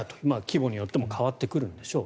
規模によっても変わってくるんでしょう。